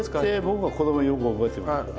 僕はこれもよく覚えてます。